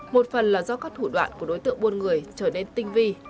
một phần là do các thủ đoạn của đối tượng buôn người trở nên tinh vi